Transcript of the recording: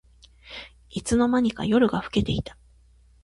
いつの間にか夜が更けていた